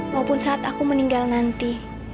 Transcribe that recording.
maupun saat aku meninggal nanti